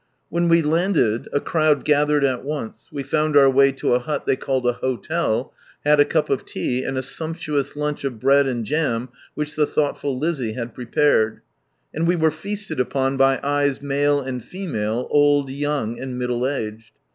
When we landed a crowd gathered at once, we found our way to a hut they called a " hotel," had a cup of tea, and a sumptuous lunch of bread and jam which the thoughtful Lizzie had prepared ; and we were feasted upon by eyes male and female, old, young, and middle aged.